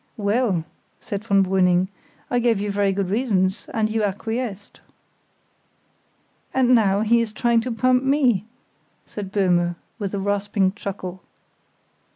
"Well," said von Brüning; "I gave you very good reasons, and you acquiesced." "And now he is trying to pump me," said Böhme, with his rasping chuckle.